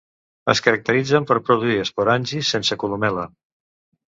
Es caracteritzen per produir esporangis sense columel·la.